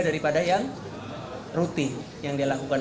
daripada yang rutin yang dia lakukan